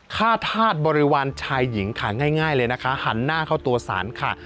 ฆ่าธาตุบริวารชายหญิงค่ะง่ายเลยนะคะหันหน้าเข้าตัวสารค่ะ